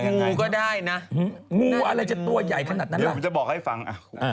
งูก็ได้นะงูอะไรจะตัวใหญ่ขนาดนั้นหรอเดี๋ยวมันจะบอกให้ฟังอ่ะ